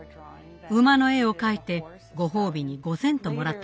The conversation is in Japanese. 馬の絵を描いてご褒美に５セントもらったそうですよ。